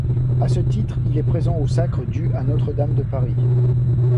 À ce titre, il est présent au sacre du à Notre-Dame de Paris.